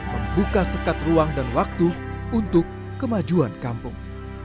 membuka sekat ruang dan waktu untuk kemajuan kampung